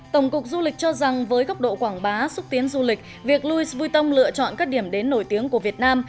tổng cục du lịch cho rằng với góc độ quảng bá xúc tiến du lịch việc louis vuitton lựa chọn các điểm đến nổi tiếng của việt nam